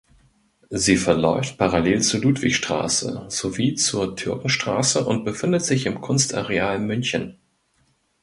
Sie verläuft parallel zur Ludwigstraße sowie zur Türkenstraße und befindet sich im Kunstareal München.